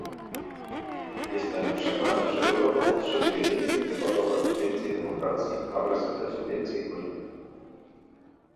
Jestem przekonany, że Europa potrzebuje więcej debatować, więcej demokracji, a w rezultacie więcej polityki